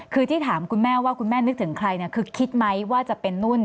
คือที่ถามคุณแม่ว่าคุณแม่นึกถึงใครคือคิดไหมว่าจะเป็นนุ่น